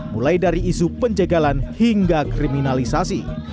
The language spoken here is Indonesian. mulai dari isu penjagalan hingga kriminalisasi